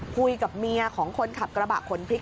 คุยกับเมียของคนขับกระบะขนพริก